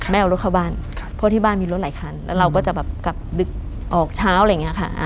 เอารถเข้าบ้านเพราะที่บ้านมีรถหลายคันแล้วเราก็จะแบบกลับดึกออกเช้าอะไรอย่างนี้ค่ะ